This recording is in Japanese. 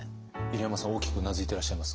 入山さん大きくうなずいてらっしゃいますが。